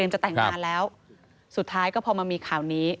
จะแต่งงานแล้วสุดท้ายก็พอมามีข่าวนี้